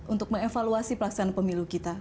untuk mengevaluasi pelaksanaan pemilu kita